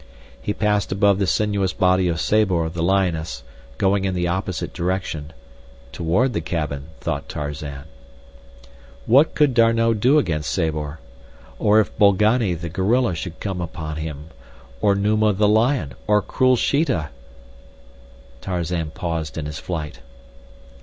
He passed above the sinuous body of Sabor, the lioness, going in the opposite direction—toward the cabin, thought Tarzan. What could D'Arnot do against Sabor—or if Bolgani, the gorilla, should come upon him—or Numa, the lion, or cruel Sheeta? Tarzan paused in his flight.